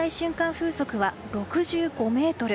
風速は６５メートル。